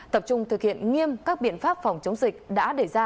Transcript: tập trung thực hiện nghiêm các biện pháp phòng chống dịch